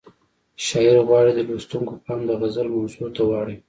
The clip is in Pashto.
شاعر غواړي د لوستونکو پام د غزل موضوع ته واړوي.